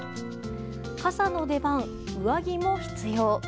傘の出番、上着も必要。